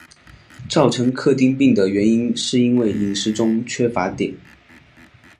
造成克汀病的原因是因为饮食中缺乏碘。